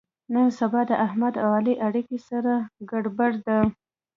نن سبا د احمد او علي اړیکه سره ګړبړ ده.